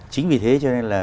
chính vì thế cho nên là